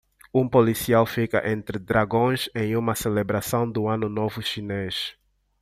Um policial fica entre dragões em uma celebração do Ano Novo Chinês